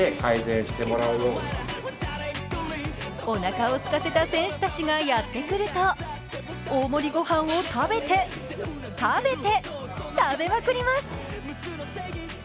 おなかをすかせた選手たちがやってくると大盛り御飯を食べて、食べて、食べまくります。